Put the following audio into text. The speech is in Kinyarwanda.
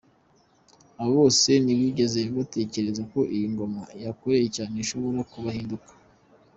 Abo bose nti bigeze batekereza ko iyi ngoma bakoreye cyane ishobora kubahinduka.